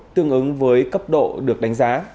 tương ứng với cấp độ được đánh giá